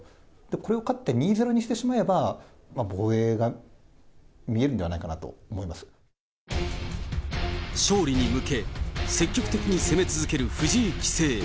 これを勝って２ー０にしてしまえば、防衛が見えるんではないかな勝利に向け、積極的に攻め続ける藤井棋聖。